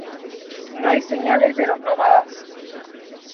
No hay señales de los nómadas.